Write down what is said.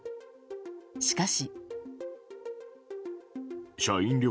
しかし。